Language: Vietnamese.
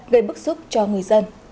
gây bức xúc cho người dân